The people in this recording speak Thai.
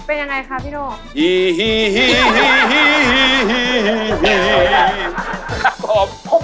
เป็นอย่างไรคะพี่โด่ง